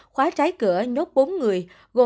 khóa trái cửa nhốt bốn người